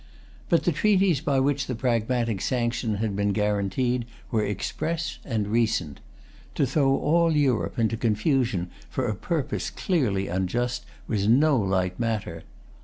But the treaties by which the Pragmatic Sanction had been guaranteed were express and recent. To throw all Europe into confusion for a purpose clearly unjust, was no light matter.